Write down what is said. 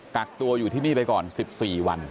กักตัวอยู่ที่นี่ไปก่อน๑๔วัน